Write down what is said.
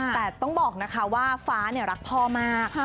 แต่ต้องบอกนะคะว่าฟ้ารักพ่อมาก